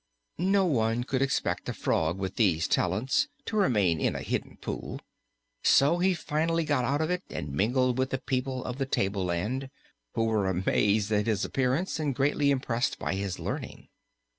No one could expect a frog with these talents to remain in a hidden pool, so he finally got out of it and mingled with the people of the tableland, who were amazed at his appearance and greatly impressed by his learning.